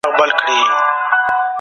انګلیسي د نړیوالو اړیکو ژبه ده.